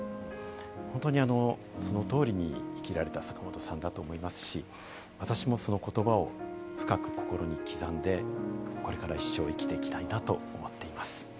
本当にその通りに生きられた坂本さんだったと思いますし、私もその言葉を深く心に刻んで、これから一生、生きていたいなと思っています。